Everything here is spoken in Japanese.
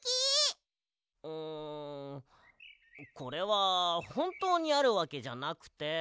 うんこれはほんとうにあるわけじゃなくて。